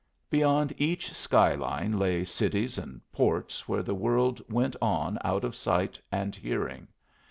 Beyond each sky line lay cities and ports where the world went on out of sight and hearing.